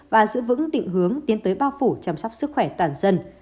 và giữ vững định hướng tiến tới bao phủ chăm sóc sức khỏe toàn dân